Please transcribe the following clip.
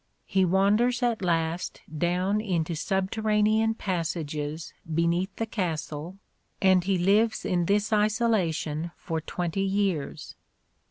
He wanders at last down into subterranean passages beneath the castle, and he lives in this isolation for twenty years."